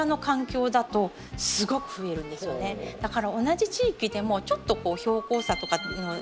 だから同じ地域でもちょっと標高差とか